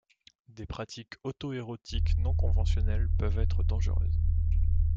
Des pratiques autoérotiques non-conventionnelles peuvent être dangereuses.